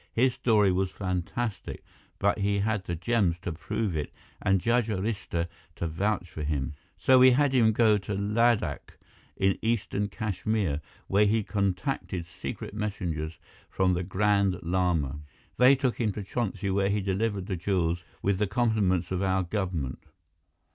"His story was fantastic, but he had the gems to prove it and Judge Arista to vouch for him. So we had him go to Ladakh in Eastern Kashmir, where he contacted secret messengers from the Grand Lama. They took him to Chonsi where he delivered the jewels with the compliments of our government.